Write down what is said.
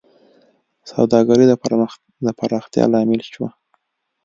سوداګرۍ د پراختیا لامل شوه.